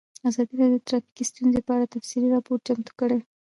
ازادي راډیو د ټرافیکي ستونزې په اړه تفصیلي راپور چمتو کړی.